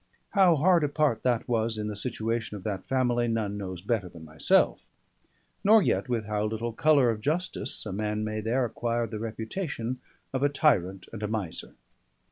How hard a part that was, in the situation of that family, none knows better than myself; nor yet with how little colour of justice a man may there acquire the reputation of a tyrant and a miser.